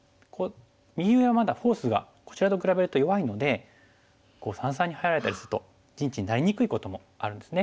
右上はまだフォースがこちらと比べると弱いので三々に入られたりすると陣地になりにくいこともあるんですね。